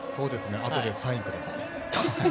あとでサインください。